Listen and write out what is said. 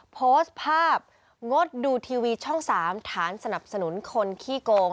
โพสต์ภาพงดดูทีวีช่อง๓ฐานสนับสนุนคนขี้โกง